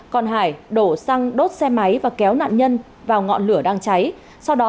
còn hải đổ xăng đốt xe máy và kéo nạn nhân vào ngọn lửa đang cháy sau đó